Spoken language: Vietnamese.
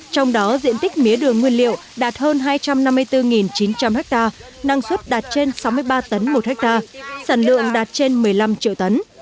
trong đó diện tích mía đường nguyên liệu đạt hơn hai trăm năm mươi bốn chín trăm linh ha năng suất đạt trên sáu mươi ba tấn một ha sản lượng đạt trên một mươi năm triệu tấn